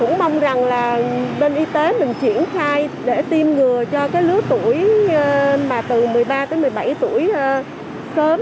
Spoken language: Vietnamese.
chúng mong rằng là bên y tế mình triển khai để tiêm ngừa cho lứa tuổi từ một mươi ba tới một mươi bảy tuổi sớm